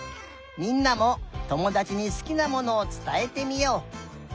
みんなもともだちにすきなものをつたえてみよう。